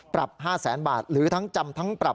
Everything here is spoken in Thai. ปรับ๕แสนบาทหรือทั้งจำทั้งปรับ